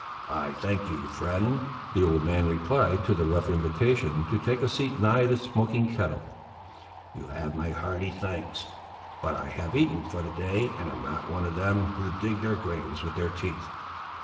"I thank you, friend," the old man replied to the rough invitation to take a seat nigh the smoking kettle; "you have my hearty thanks; but I have eaten for the day, and am not one of them, who dig their graves with their teeth.